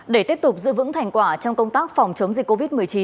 để tiếp tục giữ vững thành quả trong công tác phòng chống dịch covid một mươi chín